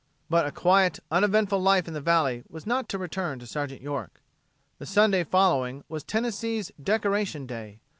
But a quiet, uneventful life in the valley was not to return to Sergeant York. The Sunday following was Tennessee's Decoration Day.